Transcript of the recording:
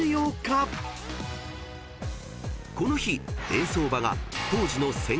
［この日］